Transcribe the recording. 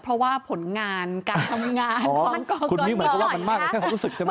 เพราะว่าผลงานการทำงานของคุณนี่เหมือนกับว่ามันมากกว่าแค่ความรู้สึกใช่ไหม